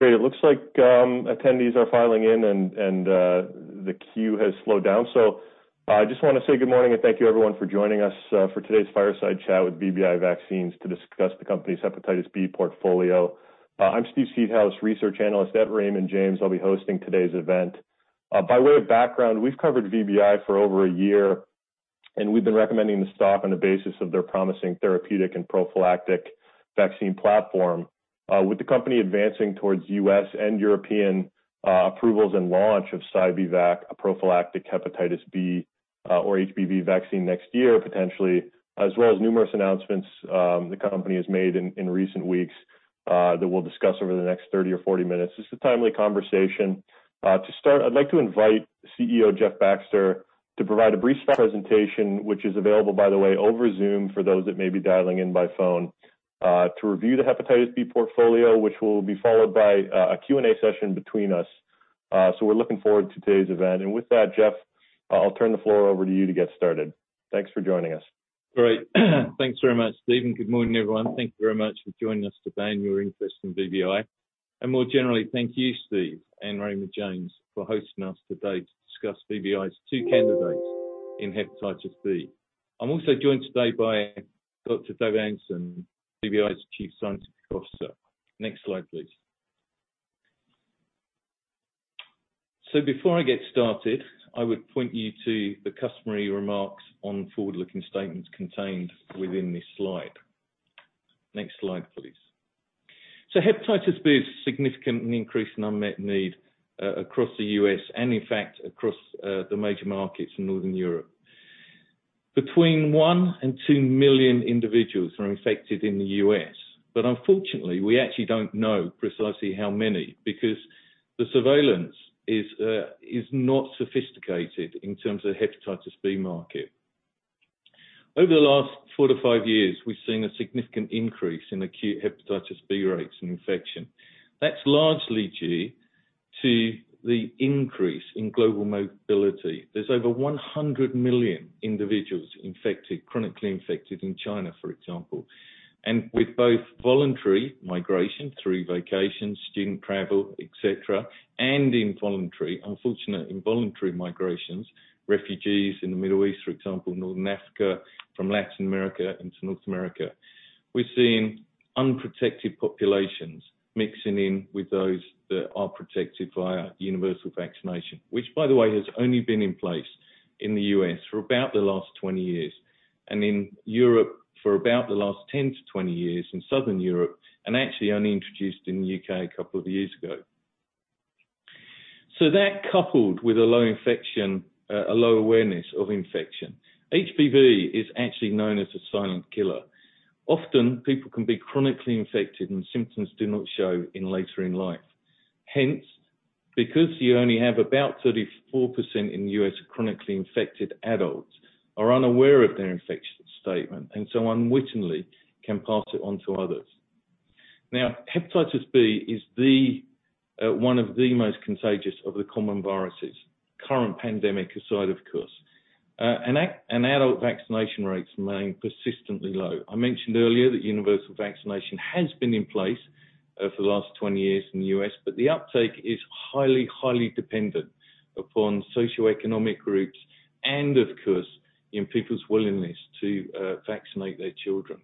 Great. It looks like attendees are filing in, and the queue has slowed down. I just want to say good morning and thank you, everyone, for joining us for today's Fireside Chat with VBI Vaccines to discuss the company's hepatitis B portfolio. I'm Steve Seedhouse, Research Analyst at Raymond James. I'll be hosting today's event. By way of background, we've covered VBI for over a year, and we've been recommending the stock on the basis of their promising therapeutic and prophylactic vaccine platform. With the company advancing towards U.S. and European approvals and launch of Sci-B-Vac, a prophylactic hepatitis B, or HBV, vaccine next year, potentially, as well as numerous announcements the company has made in recent weeks that we'll discuss over the next 30 or 40 minutes. This is a timely conversation. To start, I'd like to invite CEO Jeff Baxter to provide a brief presentation, which is available, by the way, over Zoom for those that may be dialing in by phone, to review the hepatitis B portfolio, which will be followed by a Q&A session between us. We're looking forward to today's event. With that, Jeff, I'll turn the floor over to you to get started. Thanks for joining us. Great. Thanks very much, Steve, and good morning, everyone. Thank you very much for joining us today and your interest in VBI. More generally, thank you, Steve and Raymond James, for hosting us today to discuss VBI's two candidates in hepatitis B. I'm also joined today by Dr. Dave Anderson, VBI's Chief Scientific Officer. Next slide, please. Before I get started, I would point you to the customary remarks on forward-looking statements contained within this slide. Next slide, please. Hepatitis B is significantly increased in unmet need across the U.S. and, in fact, across the major markets in Northern Europe. Between 1 and 2 million individuals are infected in the U.S., but unfortunately, we actually don't know precisely how many, because the surveillance is not sophisticated in terms of the hepatitis B market. Over the last four to five years, we've seen a significant increase in acute hepatitis B rates and infection. That's largely due to the increase in global mobility. There's over 100 million individuals infected, chronically infected in China, for example. With both voluntary migration, through vacations, student travel, et cetera, and involuntary, unfortunately, involuntary migrations, refugees in the Middle East, for example, Northern Africa, from Latin America into North America. We've seen unprotected populations mixing in with those that are protected via universal vaccination, which by the way, has only been in place in the U.S. for about the last 20 years, and in Europe for about the last 10-20 years in Southern Europe, and actually only introduced in the U.K. a couple of years ago. That, coupled with a low awareness of infection. HBV is actually known as a silent killer. Often, people can be chronically infected, and symptoms do not show in later in life. Hence, because you only have about 34% in the U.S. of chronically infected adults are unaware of their infection statement, and so unwittingly can pass it on to others. Now, hepatitis B is one of the most contagious of the common viruses, current pandemic aside, of course, and adult vaccination rates remain persistently low. I mentioned earlier that universal vaccination has been in place for the last 20 years in the U.S., but the uptake is highly dependent upon socioeconomic groups and, of course, in people's willingness to vaccinate their children.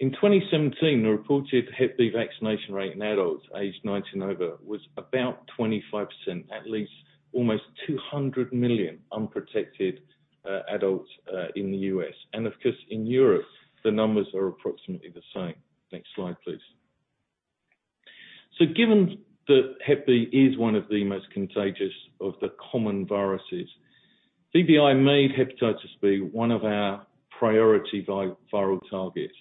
In 2017, the reported hep B vaccination rate in adults aged 19 over was about 25%, at least almost 200 million unprotected adults in the U.S. Of course, in Europe, the numbers are approximately the same. Next slide, please. Given that hep B is one of the most contagious of the common viruses, VBI made hepatitis B one of our priority viral targets,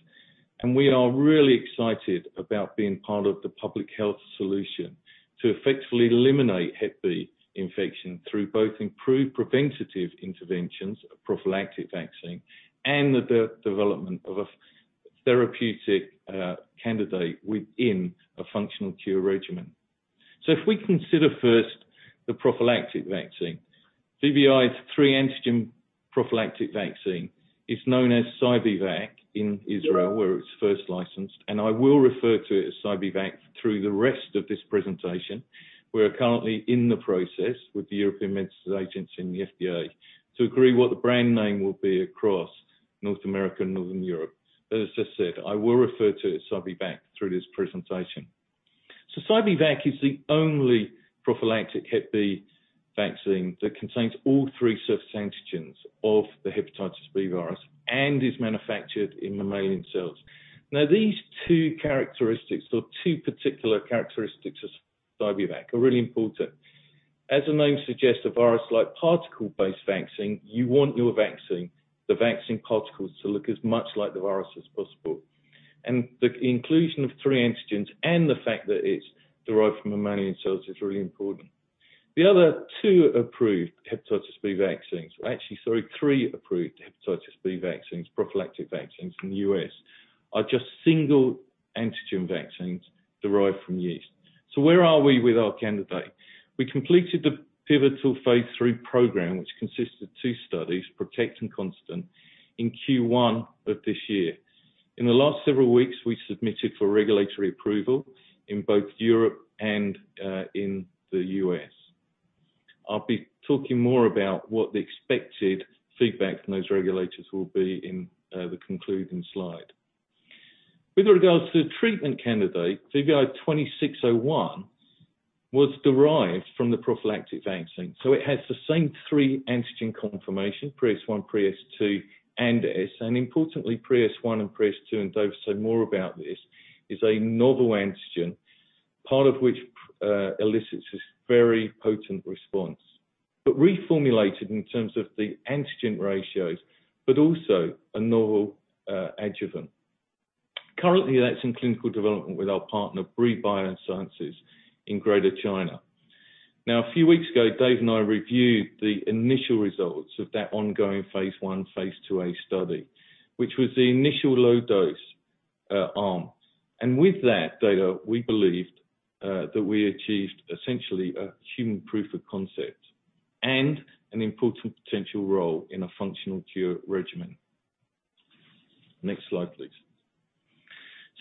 and we are really excited about being part of the public health solution to effectively eliminate hep B infection through both improved preventative interventions, a prophylactic vaccine, and the development of a therapeutic candidate within a functional cure regimen. If we consider first the prophylactic vaccine, VBI's three-antigen prophylactic vaccine is known as Sci-B-Vac in Israel, where it was first licensed, and I will refer to it as Sci-B-Vac through the rest of this presentation. We are currently in the process with the European Medicines Agency and the FDA to agree what the brand name will be across North America and Northern Europe. As I said, I will refer to it as Sci-B-Vac through this presentation. Sci-B-Vac is the only prophylactic hepatitis B vaccine that contains all three surface antigens of the hepatitis B virus and is manufactured in mammalian cells. These two characteristics or two particular characteristics of Sci-B-Vac are really important. As the name suggests, a virus-like particle-based vaccine, you want your vaccine, the vaccine particles, to look as much like the virus as possible. The inclusion of three antigens and the fact that it's derived from mammalian cells is really important. The other two approved hepatitis B vaccines, or actually, sorry, three approved hepatitis B vaccines, prophylactic vaccines in the U.S., are just single-antigen vaccines derived from yeast. Where are we with our candidate? We completed the pivotal phase III program, which consisted of two studies, PROTECT and CONSTANT, in Q1 of this year. In the last several weeks, we submitted for regulatory approval in both Europe and in the U.S. I'll be talking more about what the expected feedback from those regulators will be in the concluding slide. With regards to the treatment candidate, VBI-2601 was derived from the prophylactic vaccine. It has the same three-antigen conformation, pre-S1, pre-S2, and S, and importantly, pre-S1 and pre-S2, and Dave will say more about this, is a novel antigen, part of which elicits this very potent response. Reformulated in terms of the antigen ratios, but also a novel adjuvant. Currently, that's in clinical development with our partner, Brii Biosciences in Greater China. A few weeks ago, Dave and I reviewed the initial results of that ongoing Phase I/Phase II-A study, which was the initial low dose arm. With that data, we believed that we achieved essentially a human proof of concept and an important potential role in a functional cure regimen. Next slide, please.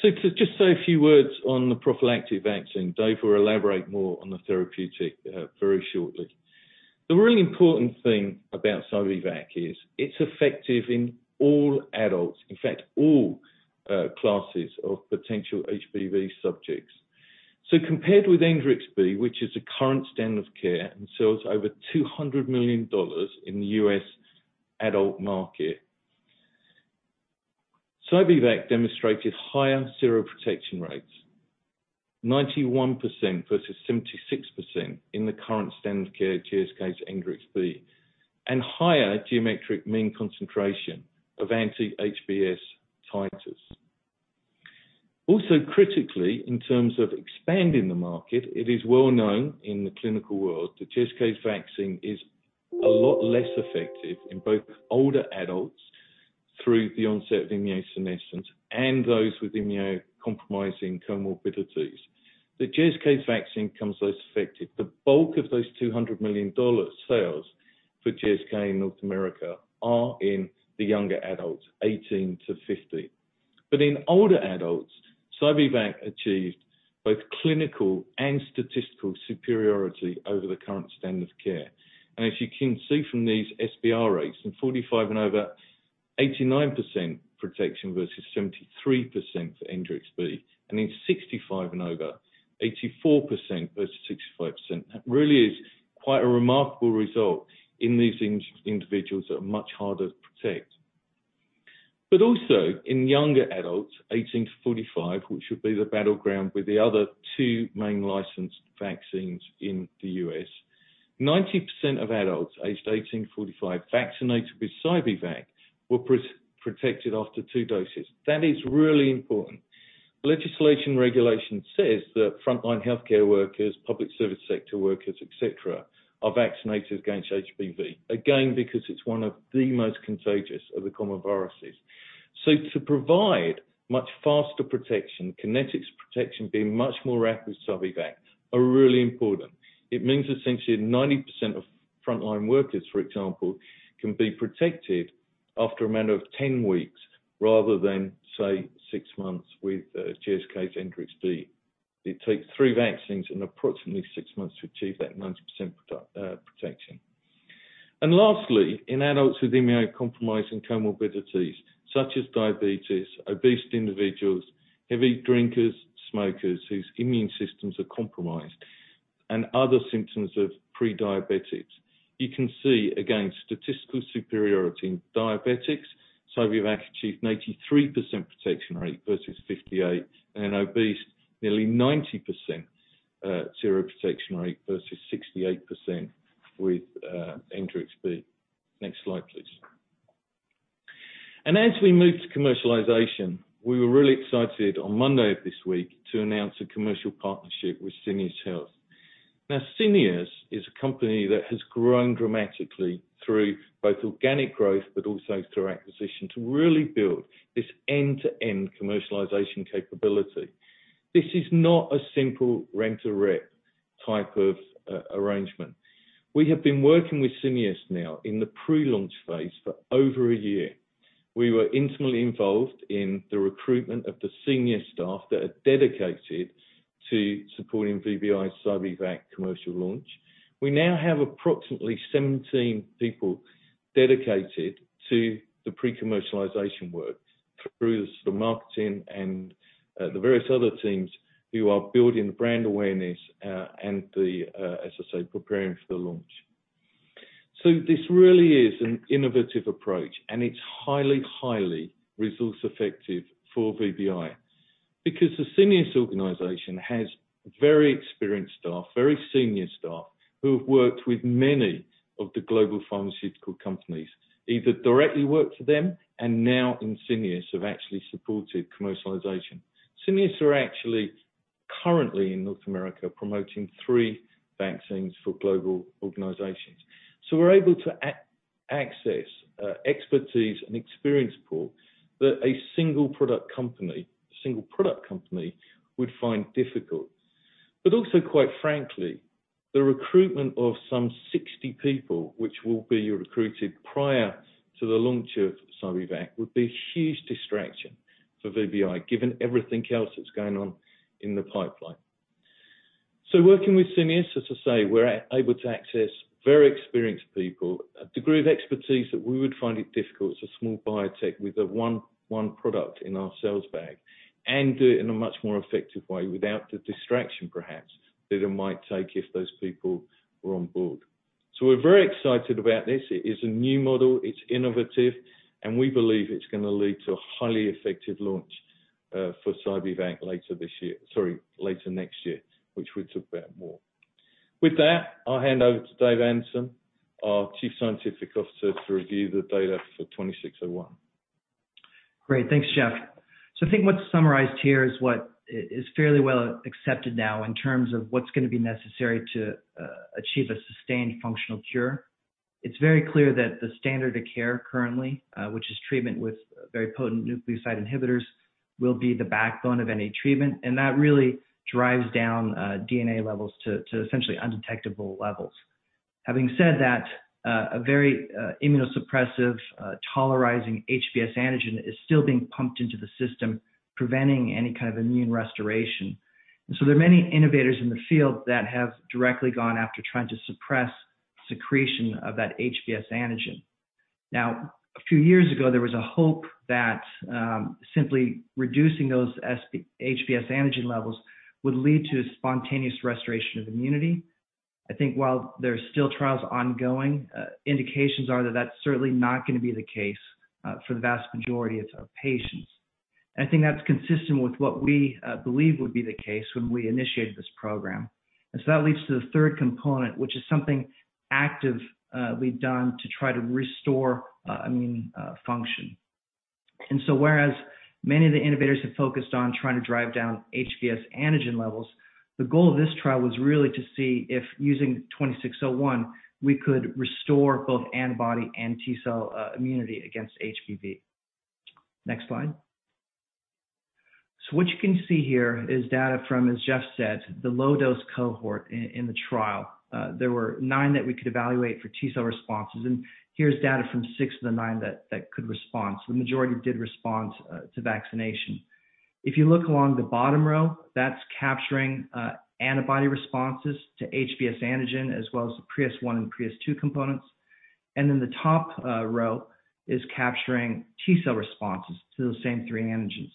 To just say a few words on the prophylactic vaccine. Dave will elaborate more on the therapeutic very shortly. The really important thing about Sci-B-Vac is it's effective in all adults, in fact, all classes of potential HBV subjects. Compared with ENGERIX-B, which is the current standard of care and sells over $200 million in the U.S. adult market, Sci-B-Vac demonstrated higher seroprotection rates, 91% versus 76% in the current standard of care, GSK's ENGERIX-B, and higher geometric mean concentration of anti-HBs titers. Critically, in terms of expanding the market, it is well known in the clinical world that GSK's vaccine is a lot less effective in both older adults through the onset of immunosuppression and those with immunocompromising comorbidities. The GSK vaccine comes less effective. The bulk of those $200 million sales for GSK in North America are in the younger adults, 18-50. In older adults, Sci-B-Vac achieved both clinical and statistical superiority over the current standard of care. As you can see from these SPR rates, in 45 and over, 89% protection versus 73% for ENGERIX-B, and in 65 and over, 84% versus 65%. That really is quite a remarkable result in these individuals that are much harder to protect. Also in younger adults, 18-45, which would be the battleground with the other two main licensed vaccines in the U.S., 90% of adults aged 18-45 vaccinated with Sci-B-Vac were protected after two doses. That is really important. Legislation regulation says that frontline healthcare workers, public service sector workers, et cetera, are vaccinated against HBV, again, because it's one of the most contagious of the common viruses. To provide much faster protection, kinetics protection being much more rapid with Sci-B-Vac are really important. It means essentially 90% of frontline workers, for example, can be protected after a matter of 10 weeks rather than, say, six months with GSK's ENGERIX-B. It takes three vaccines and approximately six months to achieve that 90% protection. Lastly, in adults with immunocompromising comorbidities such as diabetes, obese individuals, heavy drinkers, smokers whose immune systems are compromised, and other symptoms of pre-diabetics, you can see again statistical superiority in diabetics. Sci-B-Vac achieved 93% protection rate versus 58%, and obese nearly 90% seroprotection rate versus 68% with ENGERIX-B. Next slide, please. As we move to commercialization, we were really excited on Monday of this week to announce a commercial partnership with Syneos Health. Now, Syneos is a company that has grown dramatically through both organic growth but also through acquisition to really build this end-to-end commercialization capability. This is not a simple rent-a-rep type of arrangement. We have been working with Syneos now in the pre-launch phase for over one year. We were intimately involved in the recruitment of the Syneos staff that are dedicated to supporting VBI's Sci-B-Vac commercial launch. We now have approximately 17 people dedicated to the pre-commercialization works through the marketing and the various other teams who are building the brand awareness and the, as I say, preparing for launch. This really is an innovative approach, and it's highly resource effective for VBI because the Syneos organization has very experienced staff, very senior staff, who have worked with many of the global pharmaceutical companies. Either directly worked for them, and now in Syneos have actually supported commercialization. Syneos are actually currently in North America promoting three vaccines for global organizations. We're able to Access expertise and experience pool that a single-product company would find difficult. Also, quite frankly, the recruitment of some 60 people, which will be recruited prior to the launch of Sci-B-Vac, would be a huge distraction for VBI, given everything else that's going on in the pipeline. Working with Syneos, as I say, we're able to access very experienced people, a degree of expertise that we would find it difficult as a small biotech with the one product in our sales bag, and do it in a much more effective way without the distraction perhaps that it might take if those people were on board. We're very excited about this. It is a new model, it's innovative, and we believe it's going to lead to a highly effective launch for Sci-B-Vac later next year, which we'll talk about more. With that, I'll hand over to Dave Anderson, our Chief Scientific Officer, to review the data for 2601. Great. Thanks, Jeff. I think what's summarized here is what is fairly well accepted now in terms of what's going to be necessary to achieve a sustained functional cure. It's very clear that the standard of care currently, which is treatment with very potent nucleoside inhibitors, will be the backbone of any treatment, and that really drives down DNA levels to essentially undetectable levels. Having said that, a very immunosuppressive, tolerizing HBs antigen is still being pumped into the system, preventing any kind of immune restoration. There are many innovators in the field that have directly gone after trying to suppress secretion of that HBs antigen. Now, a few years ago, there was a hope that simply reducing those HBs antigen levels would lead to a spontaneous restoration of immunity. I think while there's still trials ongoing, indications are that that's certainly not going to be the case for the vast majority of patients. I think that's consistent with what we believed would be the case when we initiated this program. That leads to the third component, which is something active we've done to try to restore immune function. Whereas many of the innovators have focused on trying to drive down HBs antigen levels, the goal of this trial was really to see if using 601, we could restore both antibody and T-cell immunity against HBV. Next slide. What you can see here is data from, as Jeff said, the low-dose cohort in the trial. There were nine that we could evaluate for T-cell responses, and here's data from six of the nine that could respond. The majority did respond to vaccination. If you look along the bottom row, that's capturing antibody responses to HBs antigen, as well as the pre-S1 and pre-S2 components. The top row is capturing T-cell responses to those same three antigens.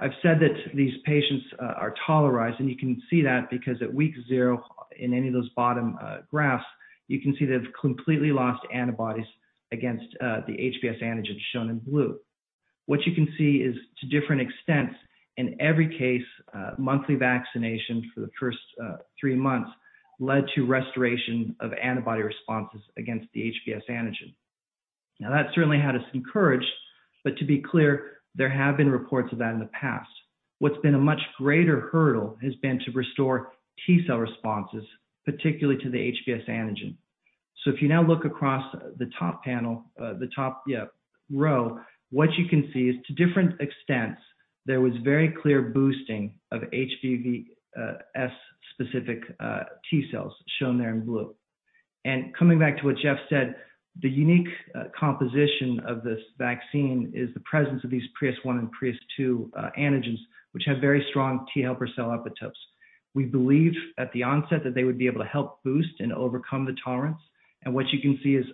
I've said that these patients are tolerized, and you can see that because at week zero in any of those bottom graphs, you can see they've completely lost antibodies against the HBs antigens shown in blue. What you can see is to different extents, in every case, monthly vaccination for the first three months led to restoration of antibody responses against the HBs antigen. That certainly had us encouraged, but to be clear, there have been reports of that in the past. What's been a much greater hurdle has been to restore T-cell responses, particularly to the HBs antigen. If you now look across the top row, what you can see is to different extents, there was very clear boosting of HBs' specific T-cells shown there in blue. Coming back to what Jeff said, the unique composition of this vaccine is the presence of these pre-S1 and pre-S2 antigens, which have very strong T helper cell epitopes. We believe at the onset that they would be able to help boost and overcome the tolerance, and what you can see is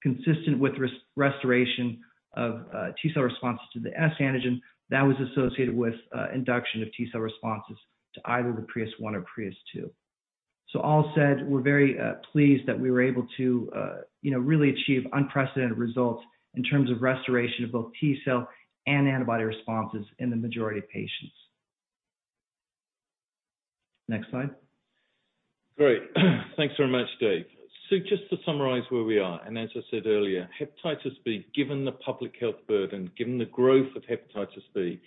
consistent with restoration of T-cell responses to the S antigen that was associated with induction of T-cell responses to either the pre-S1 or pre-S2. All said, we're very pleased that we were able to really achieve unprecedented results in terms of restoration of both T-cell and antibody responses in the majority of patients. Next slide. Great. Thanks very much, Dave. Just to summarize where we are, as I said earlier, hepatitis B, given the public health burden, given the growth of hepatitis B,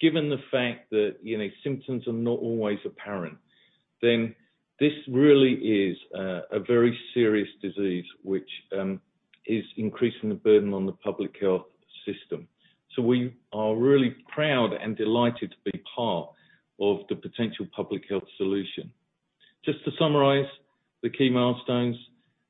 given the fact that symptoms are not always apparent, this really is a very serious disease which is increasing the burden on the public health system. We are really proud and delighted to be part of the potential public health solution. Just to summarize the key milestones,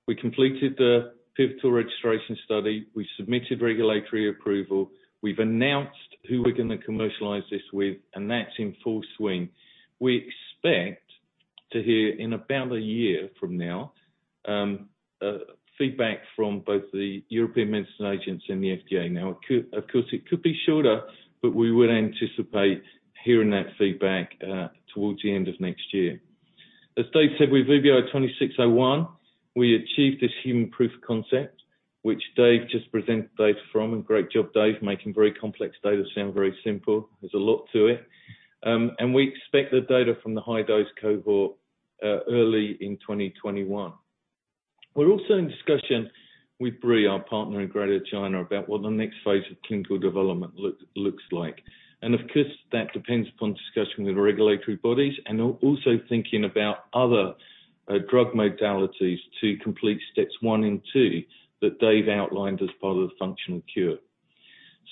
we completed the pivotal registration study. We submitted regulatory approval. We've announced who we're going to commercialize this with, that's in full swing. We expect to hear in about a year from now, feedback from both the European Medicines Agency and the FDA. Of course it could be shorter, we would anticipate hearing that feedback towards the end of next year. As Dave said, with 2601, we achieved this human proof of concept, which Dave just presented data from. Great job, Dave, making very complex data sound very simple. There's a lot to it. We expect the data from the high-dose cohort early in 2021. We're also in discussion with Brii, our partner in Greater China, about what the next phase of clinical development looks like. Of course, that depends upon discussion with regulatory bodies and also thinking about other drug modalities to complete steps one and two that Dave outlined as part of the functional cure.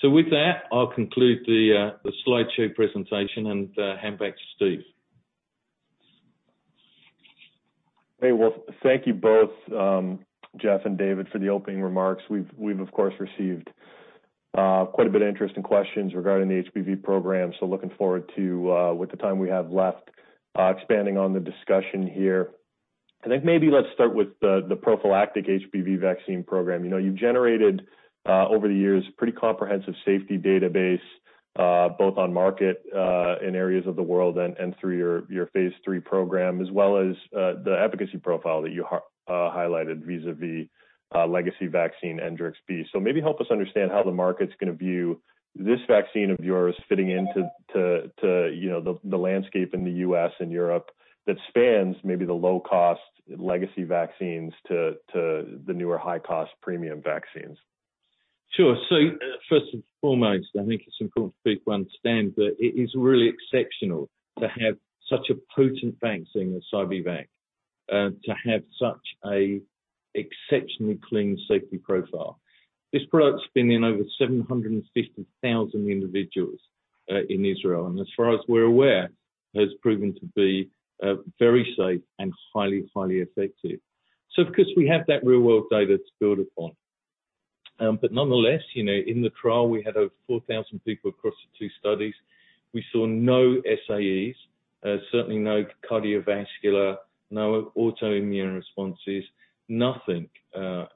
With that, I'll conclude the slideshow presentation and hand back to Steve. Hey, well, thank you both, Jeff and David, for the opening remarks. We've, of course, received quite a bit of interest and questions regarding the HBV program. Looking forward to, with the time we have left, expanding on the discussion here. I think maybe let's start with the prophylactic HBV vaccine program. You've generated, over the years, pretty comprehensive safety database, both on market in areas of the world and through your phase III program, as well as the efficacy profile that you highlighted vis-à-vis legacy vaccine ENGERIX-B. Maybe help us understand how the market's going to view this vaccine of yours fitting into the landscape in the U.S. and Europe that spans maybe the low-cost legacy vaccines to the newer high-cost premium vaccines. Sure. First and foremost, I think it's important for people to understand that it is really exceptional to have such a potent vaccine as Sci-B-Vac, to have such a exceptionally clean safety profile. This product's been in over 750,000 individuals in Israel, and as far as we're aware, has proven to be very safe and highly effective. Of course, we have that real-world data to build upon. Nonetheless, in the trial, we had over 4,000 people across the two studies. We saw no SAEs, certainly no cardiovascular, no autoimmune responses, nothing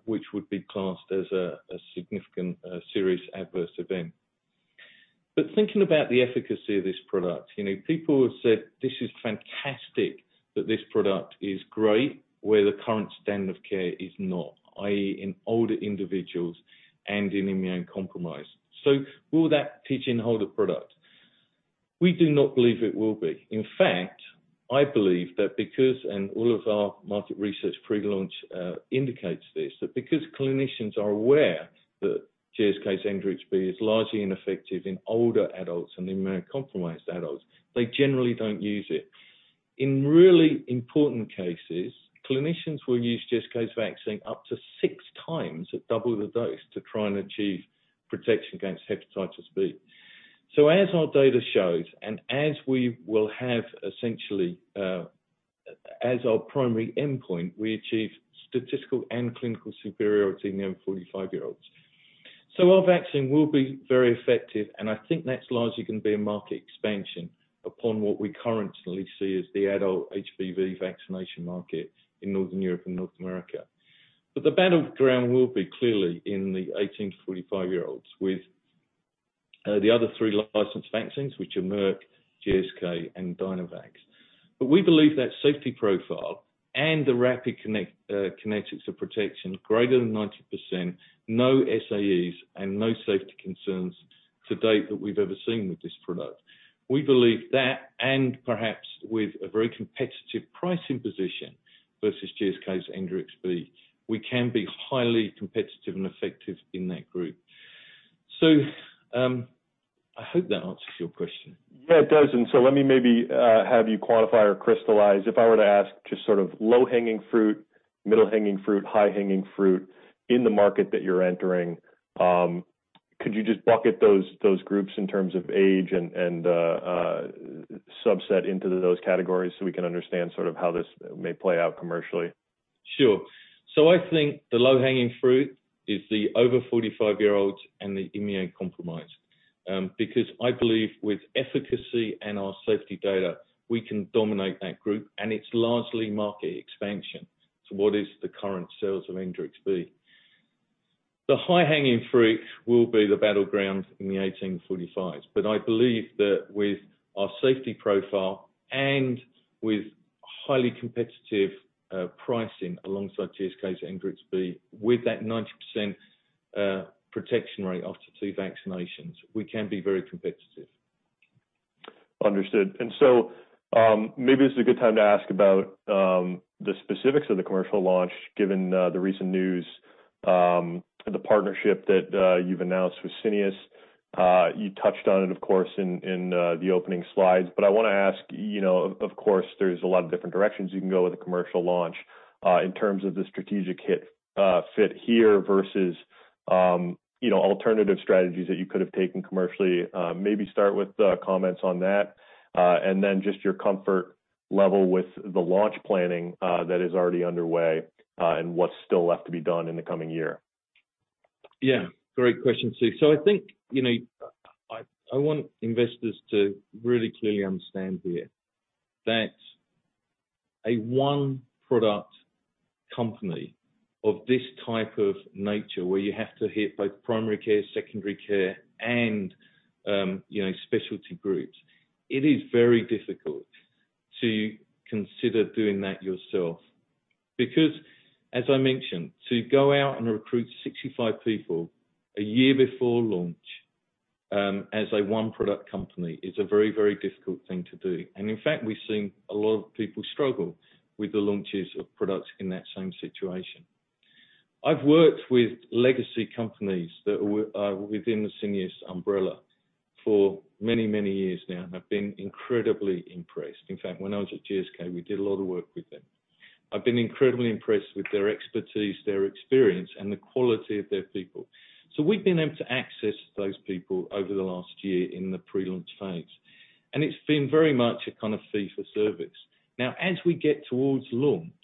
which would be classed as a significant serious adverse event. Thinking about the efficacy of this product, people have said this is fantastic that this product is great where the current standard of care is not, i.e., in older individuals and in immunocompromised. Will that teach in the older product? We do not believe it will be. In fact, I believe that because, and all of our market research pre-launch indicates this, that because clinicians are aware that GSK's ENGERIX-B is largely ineffective in older adults and immunocompromised adults, they generally don't use it. In really important cases, clinicians will use GSK's vaccine up to 6x at double the dose to try and achieve protection against hepatitis B. As our data shows, and as we will have essentially, as our primary endpoint, we achieve statistical and clinical superiority in the over 45-year-olds. Our vaccine will be very effective, and I think that's largely going to be a market expansion upon what we currently see as the adult HBV vaccination market in Northern Europe and North America. The battleground will be clearly in the 18-45 year-olds with the other three licensed vaccines, which are Merck, GSK, and Dynavax. We believe that safety profile and the rapid kinetics of protection, greater than 90%, no SAEs, and no safety concerns to date that we've ever seen with this product. We believe that, and perhaps with a very competitive pricing position versus GSK's ENGERIX-B, we can be highly competitive and effective in that group. I hope that answers your question. Yeah, it does. Let me maybe have you quantify or crystallize. If I were to ask just sort of low-hanging fruit, middle-hanging fruit, high-hanging fruit in the market that you're entering, could you just bucket those groups in terms of age and subset into those categories so we can understand sort of how this may play out commercially? Sure. I think the low-hanging fruit is the over 45-year-olds and the immunocompromised. Because I believe with efficacy and our safety data, we can dominate that group, and it's largely market expansion. What is the current sales of ENGERIX-B? The high-hanging fruit will be the battlegrounds in the 18-45s. I believe that with our safety profile and with highly competitive pricing alongside GSK's ENGERIX-B, with that 90% protection rate after two vaccinations, we can be very competitive. Understood. Maybe this is a good time to ask about the specifics of the commercial launch, given the recent news, the partnership that you've announced with Syneos. You touched on it, of course, in the opening slides. I want to ask, of course, there's a lot of different directions you can go with a commercial launch, in terms of the strategic fit here versus alternative strategies that you could have taken commercially. Maybe start with comments on that, and then just your comfort level with the launch planning that is already underway, and what's still left to be done in the coming year. Yeah. Great question, Steve. I think, I want investors to really clearly understand here that a one-product company of this type of nature, where you have to hit both primary care, secondary care, and specialty groups, it is very difficult to consider doing that yourself. As I mentioned, to go out and recruit 65 people a year before launch, as a one-product company is a very, very difficult thing to do. In fact, we've seen a lot of people struggle with the launches of products in that same situation. I've worked with legacy companies that are within the Syneos umbrella for many, many years now, and I've been incredibly impressed. In fact, when I was at GSK, we did a lot of work with them. I've been incredibly impressed with their expertise, their experience, and the quality of their people. We've been able to access those people over the last year in the pre-launch phase, and it's been very much a kind of fee-for-service. As we get towards launch,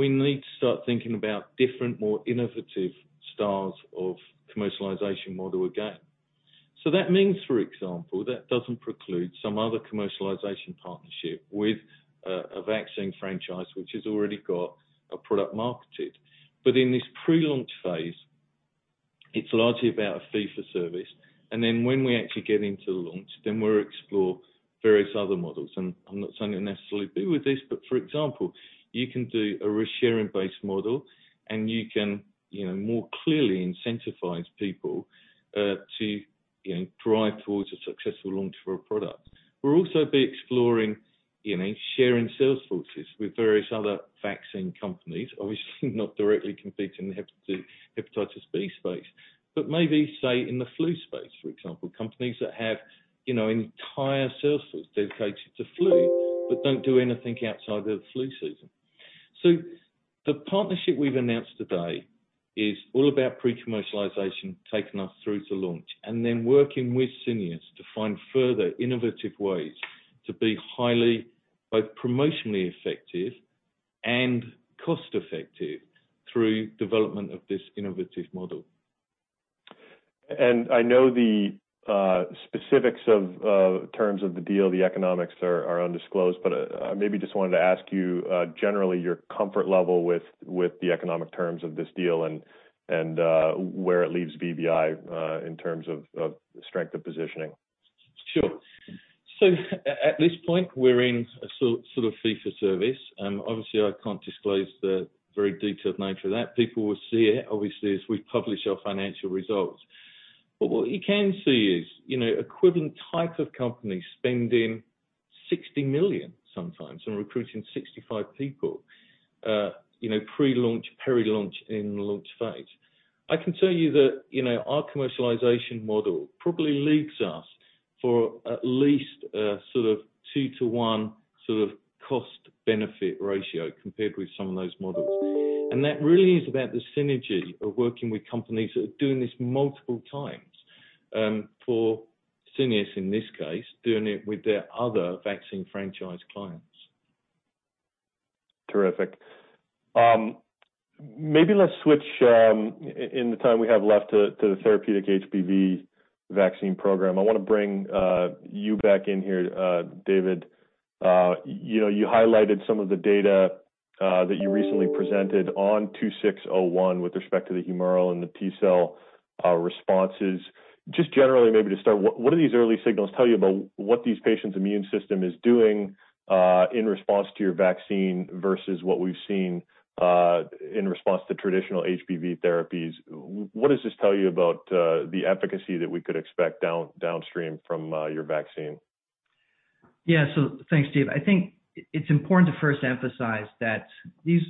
we need to start thinking about different, more innovative styles of commercialization model again. That means, for example, that doesn't preclude some other commercialization partnership with a vaccine franchise which has already got a product marketed. In this pre-launch phase, it's largely about a fee for service, and then when we actually get into launch, we'll explore various other models. I'm not saying it'll necessarily be with this, but for example, you can do a risk-sharing based model, and you can more clearly incentivize people to drive towards a successful launch for a product. We'll also be exploring sharing sales forces with various other vaccine companies, obviously not directly competing in the hepatitis B space, but maybe, say, in the flu space, for example, companies that have an entire sales force dedicated to flu but don't do anything outside of the flu season. The partnership we've announced today is all about pre-commercialization, taking us through to launch, and then working with Syneos to find further innovative ways to be highly both promotionally effective and cost-effective through development of this innovative model. I know the specifics of terms of the deal, the economics are undisclosed, but I maybe just wanted to ask you, generally, your comfort level with the economic terms of this deal and where it leaves VBI in terms of strength of positioning. Sure. At this point, we're in a sort of fee for service. Obviously, I can't disclose the very detailed nature of that. People will see it, obviously, as we publish our financial results. What you can see is equivalent type of companies spending $60 million sometimes and recruiting 65 people pre-launch, peri-launch, in launch phase. I can tell you that our commercialization model probably leaves us for at least a sort of 2:1 sort of cost benefit ratio compared with some of those models. That really is about the synergy of working with companies that are doing this multiple times, for Syneos in this case, doing it with their other vaccine franchise clients. Terrific. Maybe let's switch, in the time we have left, to the therapeutic HBV vaccine program. I want to bring you back in here, David. You highlighted some of the data that you recently presented on 2601 with respect to the humoral and the T-cell responses. Just generally, maybe to start, what do these early signals tell you about what these patients' immune system is doing in response to your vaccine versus what we've seen in response to traditional HBV therapies? What does this tell you about the efficacy that we could expect downstream from your vaccine? Thanks, Steve. I think it's important to first emphasize that these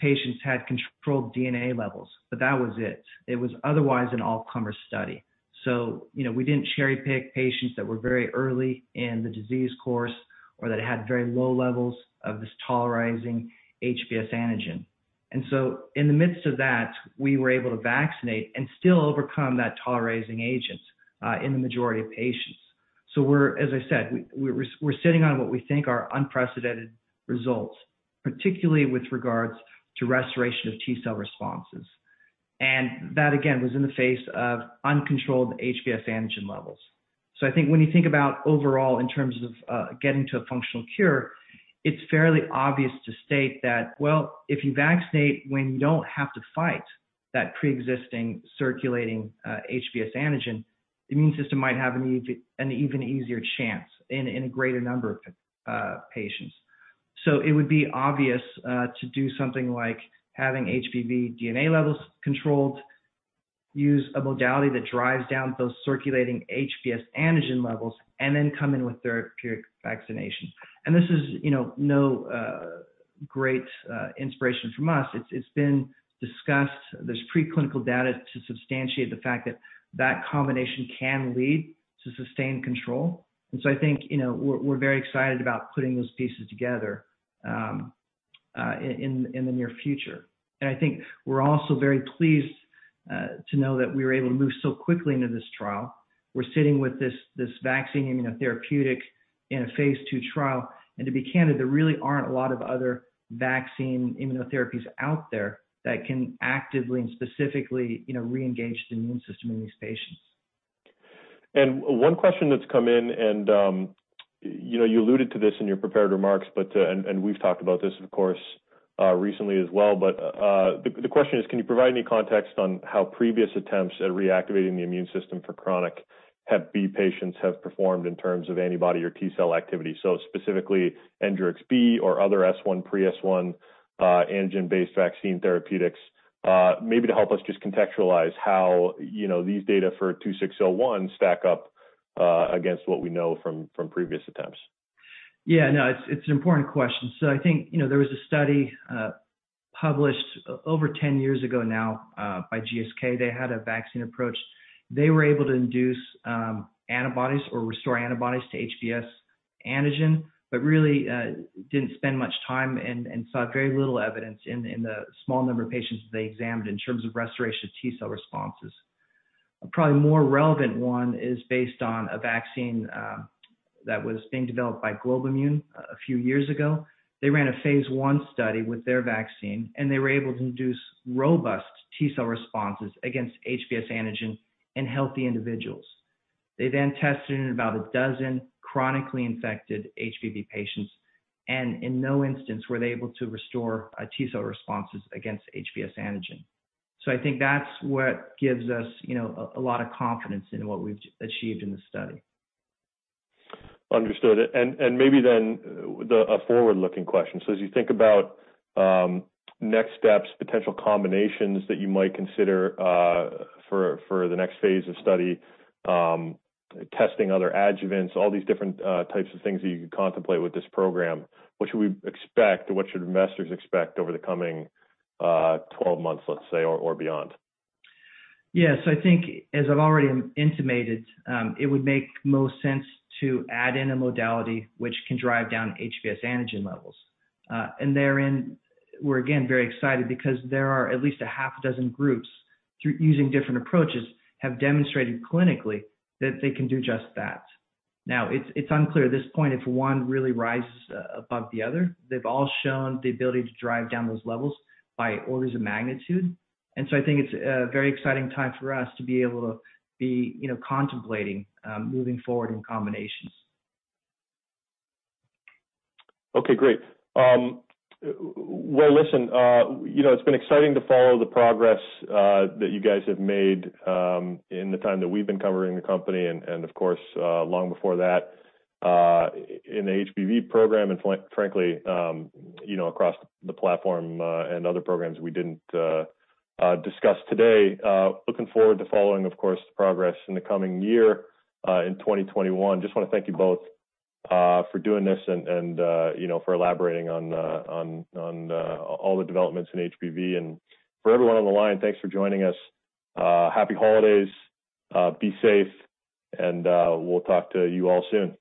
patients had controlled DNA levels, but that was it. It was otherwise an all-comer study. We didn't cherry-pick patients that were very early in the disease course or that had very low levels of this tolerizing HBs antigen. In the midst of that, we were able to vaccinate and still overcome that tolerizing agent in the majority of patients. We're, as I said, we're sitting on what we think are unprecedented results, particularly with regards to restoration of T-cell responses. That, again, was in the face of uncontrolled HBs antigen levels. I think when you think about overall in terms of getting to a functional cure, it is fairly obvious to state that, well, if you vaccinate when you don't have to fight that preexisting circulating HBs antigen, the immune system might have an even easier chance in a greater number of patients. It would be obvious to do something like having HBV DNA levels controlled, use a modality that drives down those circulating HBs antigen levels, and then come in with therapeutic vaccination. This is no great inspiration from us. It has been discussed. There is pre-clinical data to substantiate the fact that that combination can lead to sustained control. I think we are very excited about putting those pieces together in the near future. I think we are also very pleased to know that we were able to move so quickly into this trial. We're sitting with this vaccine immunotherapeutic in a phase II trial. To be candid, there really aren't a lot of other vaccine immunotherapies out there that can actively and specifically reengage the immune system in these patients. One question that's come in and, you alluded to this in your prepared remarks, and we've talked about this, of course, recently as well, but the question is, can you provide any context on how previous attempts at reactivating the immune system for chronic hep B patients have performed in terms of antibody or T-cell activity? Specifically, ENGERIX-B or other S1, pre-S1 antigen-based vaccine therapeutics, maybe to help us just contextualize how these data for 2601 stack up against what we know from previous attempts. Yeah, no, it's an important question. I think there was a study published over 10 years ago now by GSK. They had a vaccine approach. They were able to induce antibodies or restore antibodies to HBs antigen, but really didn't spend much time and saw very little evidence in the small number of patients that they examined in terms of restoration of T-cell responses. A probably more relevant one is based on a vaccine that was being developed by GlobeImmune a few years ago. They ran a phase I study with their vaccine, and they were able to induce robust T-cell responses against HBs antigen in healthy individuals. They then tested it in about a dozen chronically infected HBV patients, and in no instance were they able to restore T-cell responses against HBs antigen. I think that's what gives us a lot of confidence in what we've achieved in this study. Understood. Maybe then, a forward-looking question. As you think about next steps, potential combinations that you might consider for the next phase of study, testing other adjuvants, all these different types of things that you could contemplate with this program, what should we expect, or what should investors expect over the coming 12 months, let's say, or beyond? Yeah. I think, as I've already intimated, it would make most sense to add in a modality which can drive down HBs antigen levels. Therein, we're again very excited because there are at least a half a dozen groups using different approaches have demonstrated clinically that they can do just that. Now, it's unclear at this point if one really rises above the other. They've all shown the ability to drive down those levels by orders of magnitude. I think it's a very exciting time for us to be able to be contemplating moving forward in combinations. Okay, great. Well, listen. It's been exciting to follow the progress that you guys have made in the time that we've been covering the company and, of course, long before that in the HBV program and frankly, across the platform and other programs we didn't discuss today. Looking forward to following, of course, the progress in the coming year in 2021. Just want to thank you both for doing this and for elaborating on all the developments in HBV. For everyone on the line, thanks for joining us. Happy holidays, be safe, and we'll talk to you all soon.